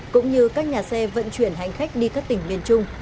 cũng như các nhà xe vận chuyển hành khách đi các tỉnh miền trung